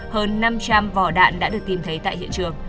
hơn năm trăm linh vỏ đạn đã được tìm thấy tại hiện trường